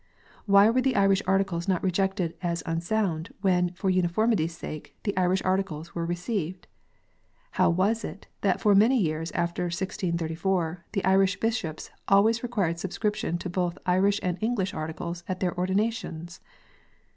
Why were the Irish Articles not rejected as unsound, when, for uniformity s sake, the Irish Articles were received ? How was it, that for many years after 1634, the Irish Bishops always required subscription to both Irish and English Articles at their ordinations